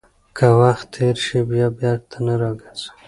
که وخت تېر شي، بیا بیرته نه راګرځي.